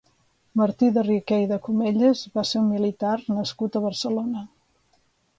Martí de Riquer i de Comelles va ser un militar nascut a Barcelona.